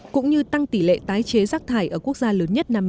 cũng như tăng tỷ lệ tái chế rác thải ở quốc gia lớn nhất nam mỹ này